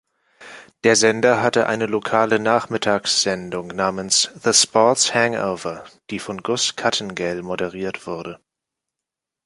Der Sender hatte eine lokale Nachmittagssendung namens „The Sports Hangover“, die von Gus Kattengell moderiert wurde.